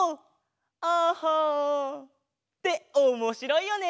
「ＡＨＨＡ」っておもしろいよね！